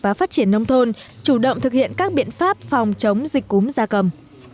và phát triển nông thôn chủ động thực hiện các biện pháp phòng chống dịch cúm gia cầm